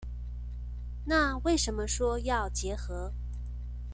那為什麼說要結合